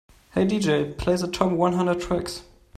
"Hey DJ, play the top one hundred tracks"